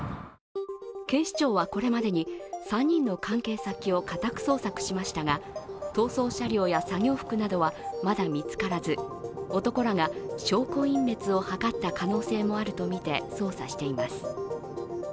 警視庁はこれまでに３人の関係先を家宅捜索しましたが、逃走車両や作業服などはまだ見つからず、男らが証拠隠滅を図った可能性もあるとみて捜査しています。